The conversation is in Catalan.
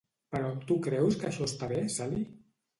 Però tu creus que això està bé, Sally?